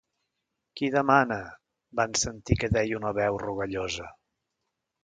Qui demana? —van sentir que deia una veu rogallosa.